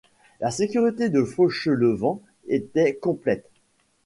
La sécurité de Fauchelevent était complète.